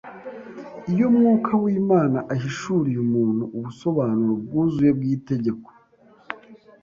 Iyo Mwuka w’Imana ahishuriye umuntu ubusobanuro bwuzuye bw’itegeko